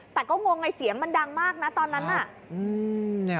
แต่ก็งงไงเสียงมันดังมากนะตอนนั้นน่ะ